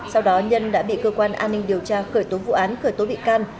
sau đó nhân đã bị cơ quan an ninh điều tra khởi tố vụ án khởi tố bị can